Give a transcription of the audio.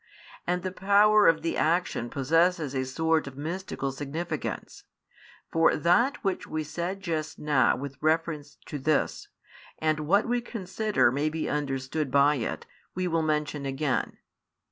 And the power of the action possesses a sort of mystical significance; for that which we said just now with reference to this, and what we consider may be understood by it, we will mention again.